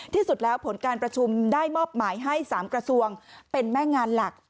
ที่สุดแล้วผลการประชุมได้มอบหมายให้๓กระทรวงเป็นแม่งานหลัก